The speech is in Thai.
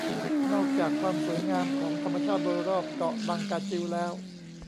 นอกจากความสวยงามของธรรมชาติโดยรอบเกาะลังกาจิวแล้ว